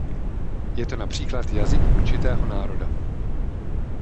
Je to například jazyk určitého národa.